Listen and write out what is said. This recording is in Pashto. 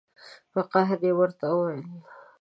په قهر یې ورته وویل.